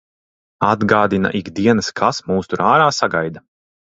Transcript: Atgādina ik dienas, kas mūs tur ārā sagaida.